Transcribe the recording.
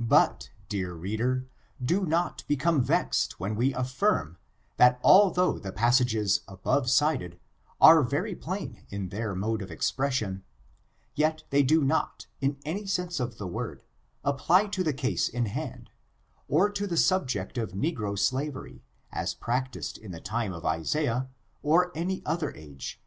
But, dear reader, do not become vexed when we affirm^ that although the passages above cited are very plain in their mode of expression, yet they do not, in«any sense of the word, apply to the case in hand, or to the subject of negro slavery, as practiced in the time of Isaiah, or any other age.